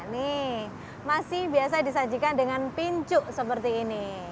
nih masih biasa disajikan dengan pincuk seperti ini